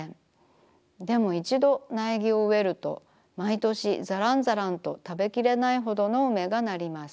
でもいちど苗木を植えるとまいとしざらんざらんとたべきれないほどの梅がなります。